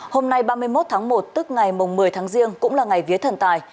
hôm nay ba mươi một tháng một tức ngày một mươi tháng riêng cũng là ngày vía thần tài